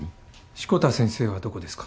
志子田先生はどこですか？